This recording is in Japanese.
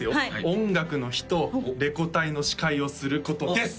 「音楽の日」と「レコ大」の司会をすることです！